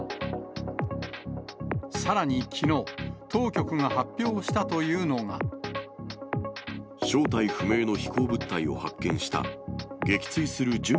さらにきのう、当局が発表したと正体不明の飛行物体を発見した。